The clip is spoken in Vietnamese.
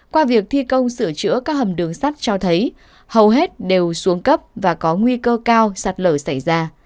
qua việc thi công sửa chữa các hầm đường sắt cho thấy hầu hết đều xuống cấp và có nguy cơ cao sạt lở xảy ra